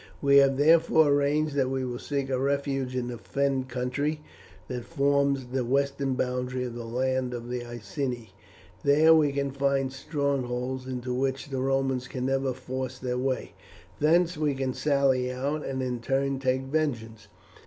We have therefore arranged that we will seek a refuge in the Fen country that forms the western boundary of the land of the Iceni; there we can find strongholds into which the Romans can never force their way; thence we can sally out, and in turn take vengeance.